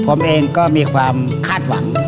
ผมเองก็มีความคาดหวัง